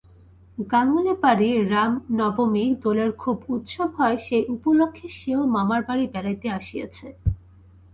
গাঙ্গুলি-বাড়ি রামনবমী দোলের খুব উৎসব হয়, সেই উপলক্ষে সেও মামার বাড়ি বেড়াইতে আসিয়াছে।